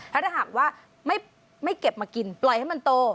ถ้าหากว่าไม่เก็บมากินปล่อยให้มันโต